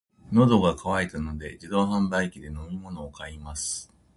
喉が渇いたので、自動販売機で飲み物を買います。